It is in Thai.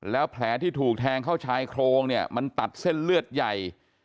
แล้วแผลที่ถูกแทงเข้าชายโครงเนี่ยมันตัดเส้นเลือดใหญ่